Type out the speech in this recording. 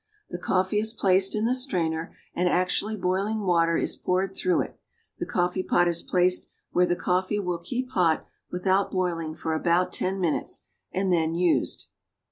The coffee is placed in the strainer, and actually boiling water is poured through it; the coffee pot is placed where the coffee will keep hot without boiling for about ten minutes, and then used.